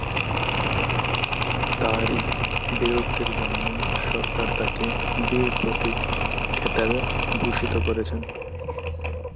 তাঁর এই বীরত্বের জন্য সরকার তাঁকে বীর প্রতীক খেতাবে ভূষিত করে।